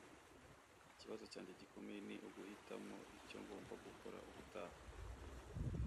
Ikibazo cyanjye gikomeye ni uguhitamo icyo ngomba gukora ubutaha.